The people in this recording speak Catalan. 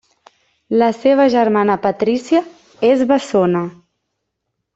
La seva germana Patrícia és bessona.